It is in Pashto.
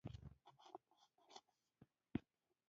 لومړۍ ډله د عبیدالله افراطي اسلام ملګري وو.